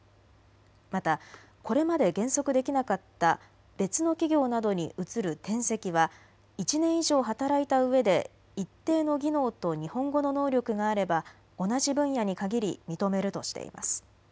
またこれまで原則できなかった別の企業などに移る転籍は１年以上働いたうえで一定の技能と日本語の能力があれば同じ分野に限り認めるとしています。